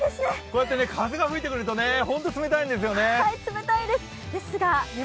こうやって風が吹いてくるとホント冷たいんですよね。